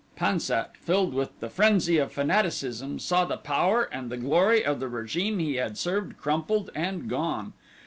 Pan sat, filled with the frenzy of fanaticism saw the power and the glory of the regime he had served crumpled and gone.